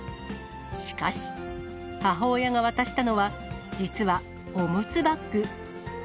しかし、母親が渡したのは、実はおむつバッグ。